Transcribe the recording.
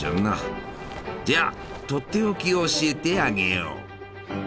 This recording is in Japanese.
じゃあとっておきを教えてあげよう。